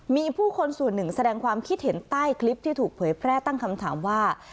มีผู้คนส่วนหนึ่งแสดงความคิดเห็นใต้คลิปที่ถูกเผยแพร่ตั้งคำถามว่า